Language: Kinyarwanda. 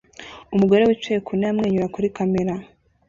Umugore wicaye ku ntebe amwenyura kuri kamera